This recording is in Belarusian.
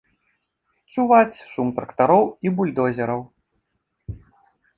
Чуваць шум трактароў і бульдозераў.